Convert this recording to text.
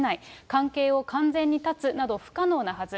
関係を完全に断つなど不可能なはず。